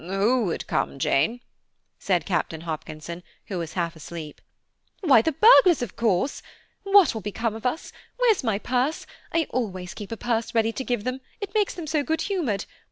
"Who would come, Jane?" said Captain Hopkinson, who was half asleep. "Why, the burglars, of course! What will become of us! Where's my purse? I always keep a purse ready to give them, it makes them so good humoured.